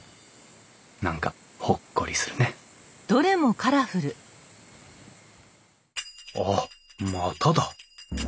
何かほっこりするねあっまただ。